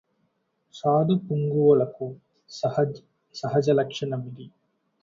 సాధుపుంగవులకు సహజలక్షణమిది